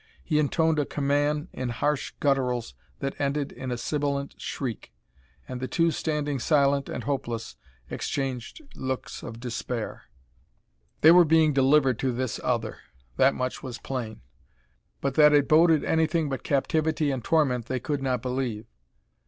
He intoned a command in harsh gutturals that ended in a sibilant shriek. And the two standing silent and hopeless exchanged looks of despair. They were being delivered to this other that much was plain but that it boded anything but captivity and torment they could not believe.